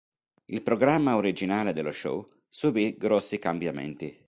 Il programma originale dello show subì grossi cambiamenti.